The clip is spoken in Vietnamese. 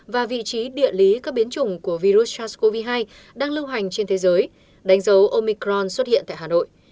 và vị trí địa lý các biến chủng của virus sars cov hai đang lưu hành trên thế giới đánh dấu omicron xuất hiện tại hà nội